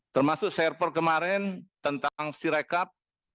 termasuk server kemarin tentang sirekap